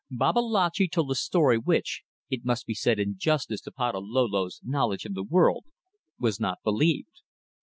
Babalatchi told a story which it must be said in justice to Patalolo's knowledge of the world was not believed.